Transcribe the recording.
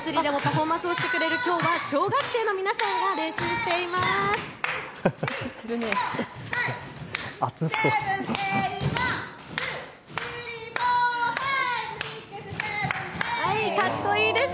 そして新松戸まつりでもパフォーマンスをしてくれるきょうは小学生の皆さんが練習しています。